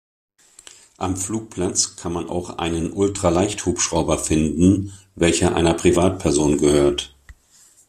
Am Flugplatz kann man auch einen Ultraleicht-Hubschrauber finden, welcher einer Privatperson gehört.